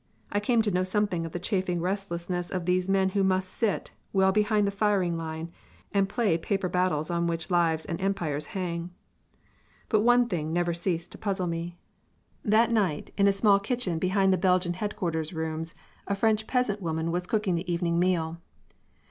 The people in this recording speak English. I came to know something of the chafing restlessness of these men who must sit, well behind the firing line, and play paper battles on which lives and empires hang. But one thing never ceased to puzzle me. That night, in a small kitchen behind the Belgian headquarters rooms, a French peasant woman was cooking the evening meal.